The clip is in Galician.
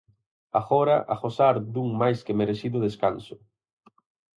Agora, a gozar dun máis que merecido descanso.